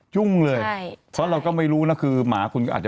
จุ้งเลยเพราะเราก็ไม่รู้คือหมาคุณอาจจะ